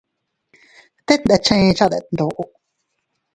Tet dindi cha detndote.